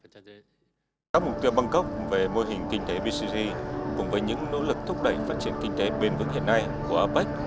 các mục tiêu bangkok về mô hình kinh tế bcg cùng với những nỗ lực thúc đẩy phát triển kinh tế bền vững hiện nay của apec